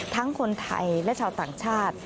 ทั้งคนไทยและชาวต่างชาติ